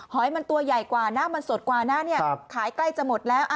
อยมันตัวใหญ่กว่าหน้ามันสดกว่าหน้าเนี่ยขายใกล้จะหมดแล้ว